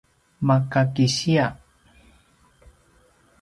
maka kisiya